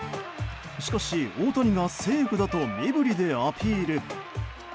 しかし、大谷がセーフだと身振りでアピール。